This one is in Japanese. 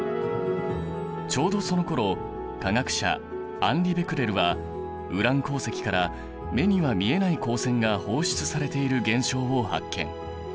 ちょうどそのころ科学者アンリ・ベクレルはウラン鉱石から目には見えない光線が放出されている現象を発見。